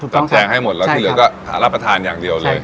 จัดแจงให้หมดแล้วที่เหลือก็หารับประทานอย่างเดียวเลย